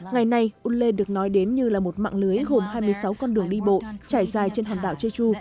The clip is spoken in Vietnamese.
ngày nay ulle được nói đến như là một mạng lưới gồm hai mươi sáu con đường đi bộ trải dài trên hòn đảo jeju